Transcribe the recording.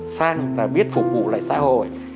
sang là biết phục vụ lại xã hội